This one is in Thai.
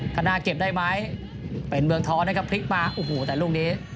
ข้างหน้าเก็บได้ไหมเป็นเมืองท้อนะครับพลิกมาโอ้โหแต่ลูกนี้